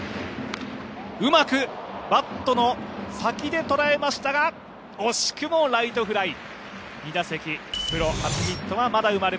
うまくバットの先で捉えましたが、惜しくもライトフライ。